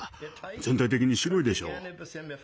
全体的に白いでしょう。